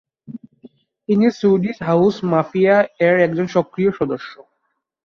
তিনি Swedish House Mafia এর একজন সক্রিয় সদস্য।